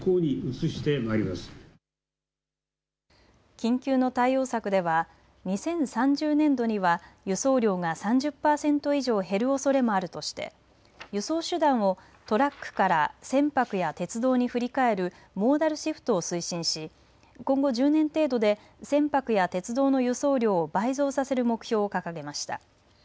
緊急の対応策では２０３０年度には輸送量が３０％以上減るおそれもあるとして輸送手段をトラックから船舶や鉄道に振り替えるモーダルシフトを推進し今後１０年程度で船舶や鉄道の輸送量を倍増させる目標を掲げました。